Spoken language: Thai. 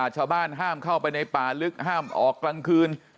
ชาวบ้านฮ่ามเข้าไปในป่าลึกฮ่ามออกกลางคืน